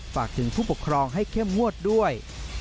ฝากถึงผู้ปกครองให้เข้มงวดด้วย